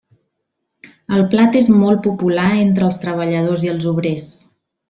El plat és molt popular entre els treballadors i els obrers.